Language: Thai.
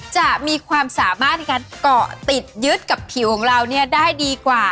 จะมีความสามารถในการเกาะติดยึดกับผิวของเราเนี่ยได้ดีกว่า